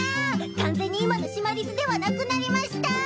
完全に今のシマリスではなくなりました！